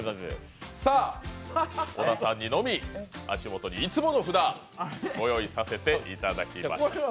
小田さんにのみ足元にいつもの札をご用意いたしました。